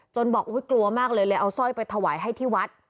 บอกกลัวมากเลยเลยเอาสร้อยไปถวายให้ที่วัด